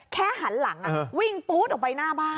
หันหลังวิ่งปู๊ดออกไปหน้าบ้าน